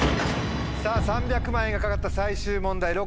さぁ３００万円が懸かった最終問題